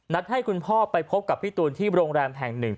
ให้คุณพ่อไปพบกับพี่ตูนที่โรงแรมแห่งหนึ่ง